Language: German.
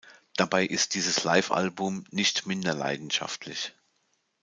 Dabei ist dieses Live-Album nicht minder leidenschaftlich.